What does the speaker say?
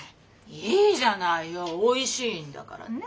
いいじゃないよおいしいんだからねえ。